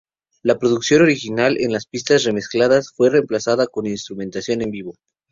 La producción original en las pistas remezcladas fue reemplazada con instrumentación en vivo.